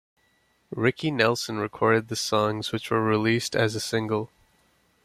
Ricky Nelson recorded the songs which were released as a single.